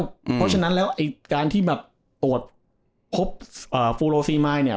เพราะฉะนั้นแล้วไอ้การที่แบบตรวจพบฟูโลซีมายเนี่ย